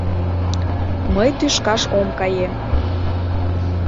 — Мый тӱшкаш ом кае.